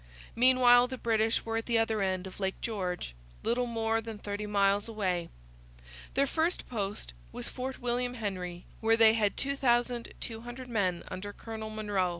Meanwhile the British were at the other end of Lake George, little more than thirty miles away. Their first post was Fort William Henry, where they had 2,200 men under Colonel Monro.